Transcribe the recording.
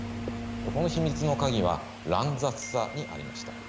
この秘密の鍵は乱雑さにありました。